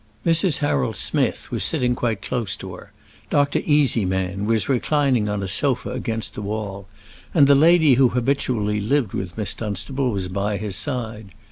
Mrs. Harold Smith was sitting quite close to her; Dr. Easyman was reclining on a sofa against the wall, and the lady who habitually lived with Miss Dunstable was by his side.